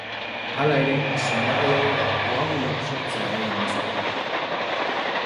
Hala ere, sendagai hauek koaguluak sortzea eragin lezakete.